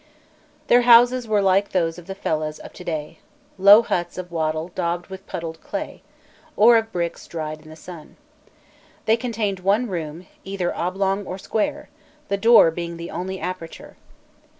] Their houses were like those of the fellahs of to day, low huts of wattle daubed with puddled clay, or of bricks dried in the sun. They contained one room, either oblong or square, the door being the only aperture.